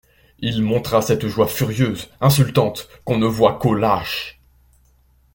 Il montra cette joie furieuse, insultante, qu'on ne voit qu'aux lâches.